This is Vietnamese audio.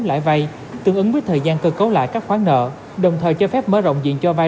lãi vay tương ứng với thời gian cơ cấu lại các khoản nợ đồng thời cho phép mở rộng diện cho vay